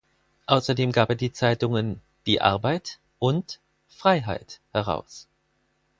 Außerdem gab er die Zeitungen "Die Arbeit" und "Freiheit" heraus.